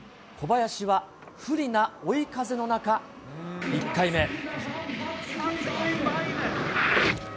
小林は不利な追い風の中、１回目。